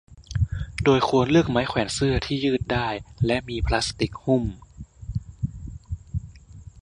โดยควรเลือกไม้แขวนเสื้อที่ยืดได้และมีพลาสติกหุ้ม